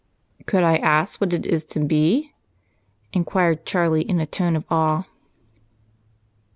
"Could I ask what it is to be?" inquired Charlie in a tone of awe.